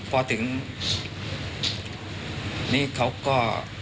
พอถึงนี่เขาก็